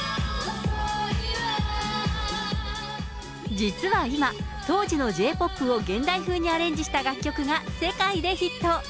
実は今、当時のＪ−ＰＯＰを現代風にアレンジした楽曲が世界でヒット。